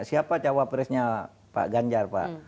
siapa cawapresnya pak ganjar pak